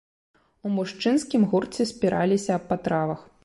У мужчынскім гурце спіраліся аб патравах.